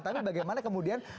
tapi bagaimana kemudian